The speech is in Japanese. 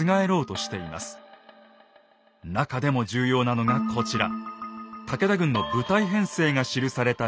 なかでも重要なのがこちら。